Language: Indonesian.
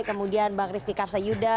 kemudian bang rifqi karsa yuda